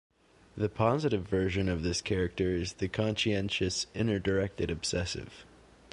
The positive version of this character is the conscientious, inner directed obsessive.